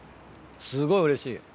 すごいうれしい。